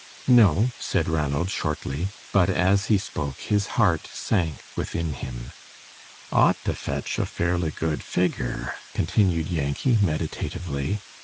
"No," said Ranald, shortly; but as he spoke his heart sank within him. "Ought to fetch a fairly good figure," continued Yankee, meditatively.